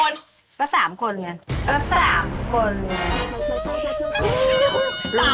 สี่คนแล้วสามคนไงแล้วสามคนไงสามคน